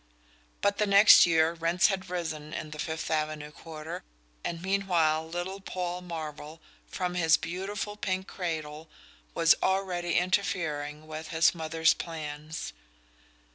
But the next year rents had risen in the Fifth Avenue quarter, and meanwhile little Paul Marvell, from his beautiful pink cradle, was already interfering with his mother's plans.